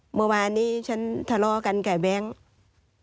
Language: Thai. เมื่อวานนี้ฉันทะเลาะกันกับแบงค์